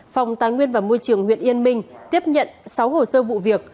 phòng tài nguyên và môi trường huyện yên minh tiếp nhận sáu hồ sơ vụ việc